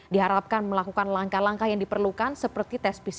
diharapkan melakukan langkah langkah yang diperlukan seperti tes pcr